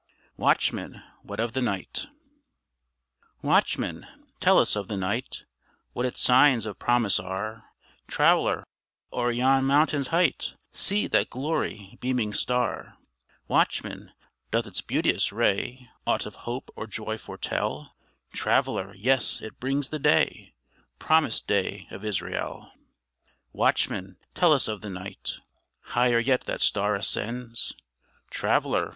WATCHMAN! WHAT OF THE NIGHT? Watchman! tell us of the night, What its signs of promise are: Traveler! o'er yon mountain's height See that glory beaming star! Watchman! doth its beauteous ray Aught of hope or joy foretell? Traveler! yes, it brings the day, Promised day of Israel. Watchman! tell us of the night; Higher yet that star ascends: Traveler!